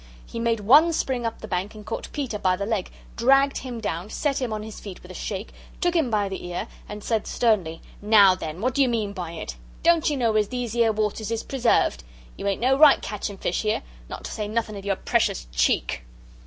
He made one spring up the bank and caught Peter by the leg, dragged him down set him on his feet with a shake took him by the ear and said sternly: "Now, then, what do you mean by it? Don't you know these 'ere waters is preserved? You ain't no right catching fish 'ere not to say nothing of your precious cheek."